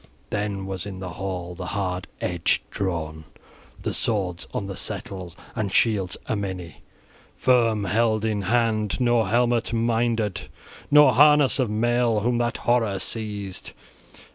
Then was in hall the hard edge drawn, the swords on the settles, {19a} and shields a many firm held in hand: nor helmet minded nor harness of mail, whom that horror seized.